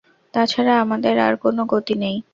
তাছাড়া আমাদের আর কোন গতি নেই।